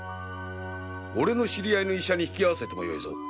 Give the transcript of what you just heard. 俺の知り合いの医者に引き合わせてもよいぞ。